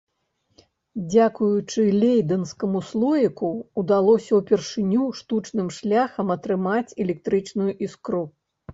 Дзякуючы лейдэнскаму слоіку ўдалося ўпершыню штучным шляхам атрымаць электрычную іскру.